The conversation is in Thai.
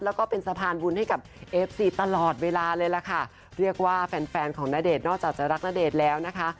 แล้วก็เป็นสะพานบุญให้กับเอฟซีตลอดเวลาเลยล่ะค่ะเรียกว่าแฟนแฟนของณเดชน์นอกจากจะรักณเดชน์แล้วนะคะ